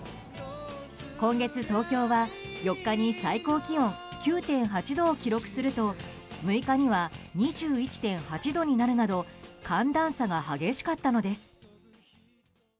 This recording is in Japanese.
今月、東京は４日に最高気温９．８度を記録すると６日には２１．８度になるなど寒暖差が激しかったのです。